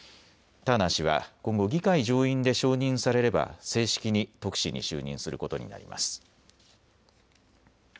ターナー氏は今後議会上院で承認されれば、正式に特使に就任することになります。